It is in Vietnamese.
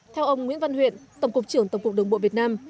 theo ông nguyễn văn huyện tổng cục trưởng tổng cục đường bộ việt nam